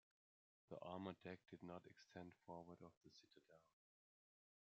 The armor deck did not extend forward of the citadel.